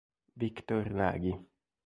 Viktor Nagy